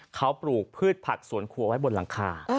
เขาปลูกพืชผักสวนครัวไว้บนหลังคา